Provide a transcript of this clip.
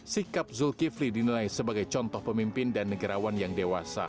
sikap zulkifli dinilai sebagai contoh pemimpin dan negarawan yang dewasa